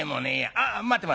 あ待て待て。